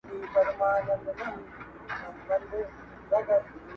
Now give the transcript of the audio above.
معلوميږي چي موسم رانه خفه دی،